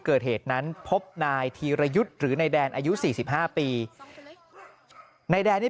เกิดเหตุนั้นพบนายธีรยุทธ์หรือนายแดนอายุ๔๕ปีนายแดนนี่